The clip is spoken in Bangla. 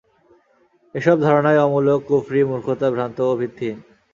এ সব ধারণাই অমূলক, কুফরী, মূর্খতা, ভ্রান্ত ও ভিত্তিহীন।